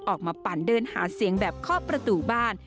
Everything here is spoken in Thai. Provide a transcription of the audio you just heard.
ออกมาปั่นเดินหาเสียงแบบข้อประตูบ้าน